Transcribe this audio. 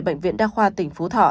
bệnh viện đa khoa tỉnh phú thọ